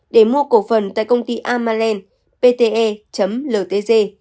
để mua cổ phần tại công ty amaland pte ltg